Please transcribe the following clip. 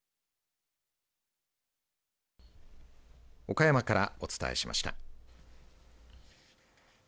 岡山からお伝えしました。